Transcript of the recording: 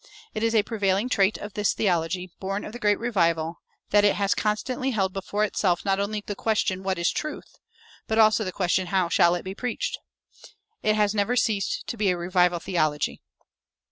It is a prevailing trait of this theology, born of the great revival, that it has constantly held before itself not only the question, What is truth? but also the question, How shall it be preached? It has never ceased to be a revival theology.